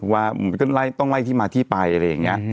ว่ามันก็ต้องไล่ที่มาที่ไปอะไรอย่างนี้